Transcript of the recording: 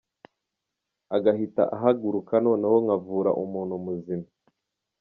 agahita ahaguruka noneho nkavura umuntu muzima .